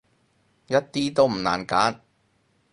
一啲都唔難揀